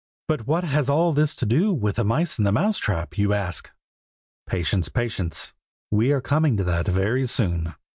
"But what has all this to do with mice and a mouse trap, you ask?" Patience! patience! we are coming to that very soon.